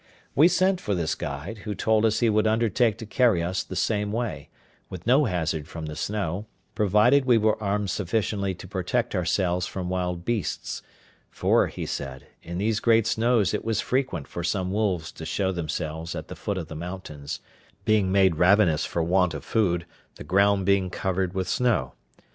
We sent for this guide, who told us he would undertake to carry us the same way, with no hazard from the snow, provided we were armed sufficiently to protect ourselves from wild beasts; for, he said, in these great snows it was frequent for some wolves to show themselves at the foot of the mountains, being made ravenous for want of food, the ground being covered with snow.